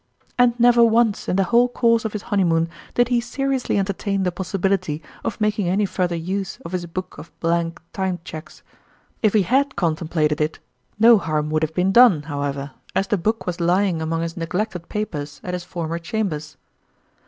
And never once in the whole course of his honeymoon did he seriously entertain the pos sibility of making any further use of his book of blank Time Cheques. If he had contem plated it, no harm would have been done, how ever, as the book was lying among his neglected papers at his former chambers.